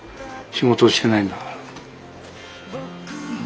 仕事してないんだから。